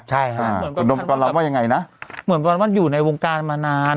ใช่ค่ะคุณโดมประกอบรามว่ายังไงนะเหมือนกับว่าอยู่ในวงการมานาน